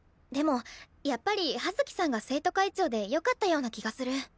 でもやっぱり葉月さんが生徒会長でよかったような気がする。